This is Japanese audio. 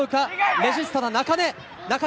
レジスタの中根。